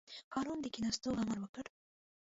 هارون د کېناستو امر وکړ.